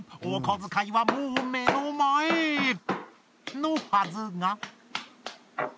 お小遣いはもう目の前！のはずが。